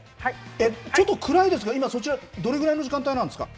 ちょっと暗いですが、今そちら、どれぐらいの時間帯なんですか。